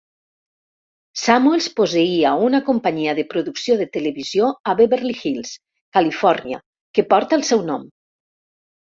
Samuels posseïa una companyia de producció de televisió a Beverly Hills, Califòrnia que porta el seu nom.